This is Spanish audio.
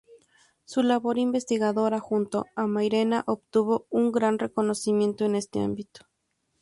Su labor investigadora junto a Mairena obtuvo un gran reconocimiento en este ámbito.